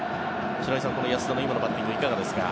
白井さん、この安田の今のバッティングいかがですか。